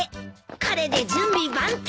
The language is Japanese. これで準備万端！